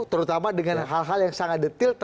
terutama dengan hal hal yang sangat detail